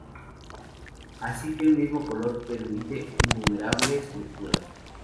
Es así que un mismo color permite innumerables lecturas".